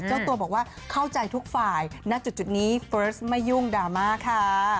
เจ้าตัวบอกว่าเข้าใจทุกฝ่ายณจุดนี้เฟิร์สไม่ยุ่งดราม่าค่ะ